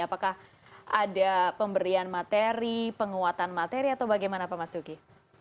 apakah ada pemberian materi penguatan materi atau bagaimana pak mas duki